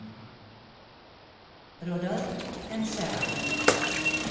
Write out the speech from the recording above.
RODOLPH AND SARAH.